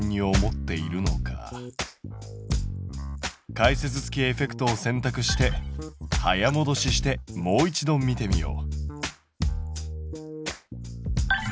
解説付きエフェクトを選択して早もどししてもう一度見てみよう。